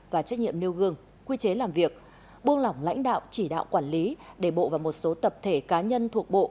và trách nhiệm nêu gương quy chế làm việc buông lỏng lãnh đạo chỉ đạo quản lý đề bộ và một số tập thể cá nhân thuộc bộ